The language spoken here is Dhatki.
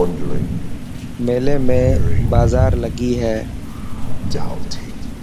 ميلي ۾ بازار لگي هي.